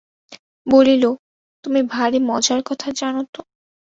বলিল, তুমি ভারি মজার কথা জানো তো?